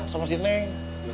sama si neng